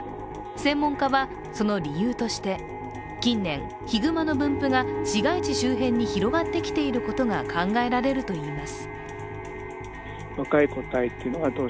専門家は、その理由として近年、ヒグマの分布が市街地周辺に広がってきていることが考えられるといいます。